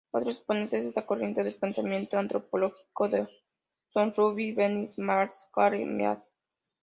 Otros exponentes de esta corriente del pensamiento antropológico son Ruth Benedict y Margaret Mead.